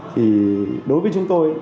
thì đối với chúng tôi